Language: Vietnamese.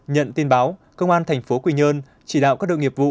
nhận tin báo công an thành phố quy nhơn chỉ đạo các đội nghiệp vụ